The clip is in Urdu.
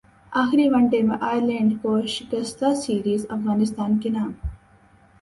اخری ون ڈے میں ائرلینڈ کو شکستسیریز افغانستان کے نام